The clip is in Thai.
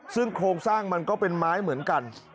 ซึ่งโครงสร้างมันก็เป็นไม้เหมือนกัน